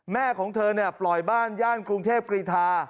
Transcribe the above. แม่ของเธอปล่อยบ้านย่านกรุงเทพกรีธา